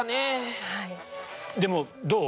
でもどう？